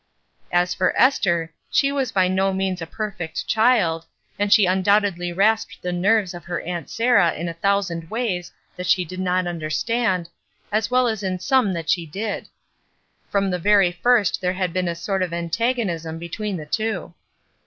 As for Esther, she was by no means a perfect child, and she undoubtedly rasped the nerves of her Aunt Sarah in a thousand ways that she did not understand, as well as in some that she did. From the very first there had been a sort of antagonism between the two.